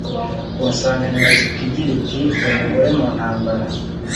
ku nsanganyamatsiko igira iti “Umugore mu ntambara,”